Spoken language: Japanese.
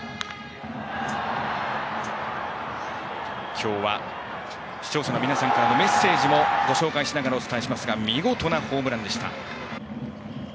今日は、視聴者の皆さんからのメッセージもご紹介しながらお伝えしますが見事なホームランでした、清宮。